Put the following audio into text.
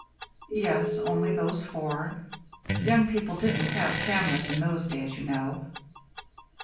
"Yes, only those four. Young people didn't have cameras in those days, you know."